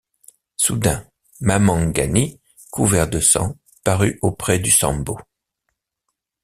Soudain, Manangani, couvert de sang, parut auprès du Sambo.